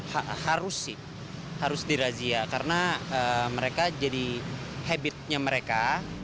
harus sih harus dirazia karena mereka jadi habitnya mereka